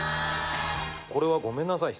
これはごめんなさい。